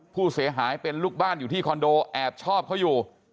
ผู้เสียหายเป็นลูกบ้านอยู่ที่คอนโดแอบชอบเขาอยู่